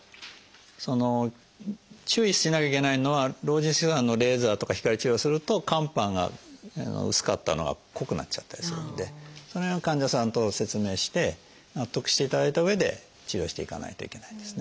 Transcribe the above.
その注意しなきゃいけないのは老人性色素斑のレーザーとか光治療をすると肝斑が薄かったのが濃くなっちゃったりするんでその辺は患者さんと説明して納得していただいたうえで治療していかないといけないですね。